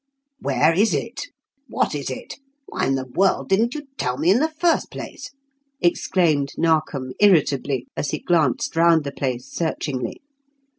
"Where is it? What is it? Why in the world didn't you tell me in the first place?" exclaimed Narkom irritably, as he glanced round the place searchingly.